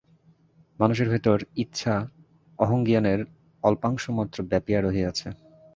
মানুষের ভিতর ইচ্ছা অহংজ্ঞানের অল্পাংশমাত্র ব্যাপিয়া রহিয়াছে।